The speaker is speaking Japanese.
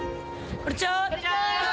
こんにちは。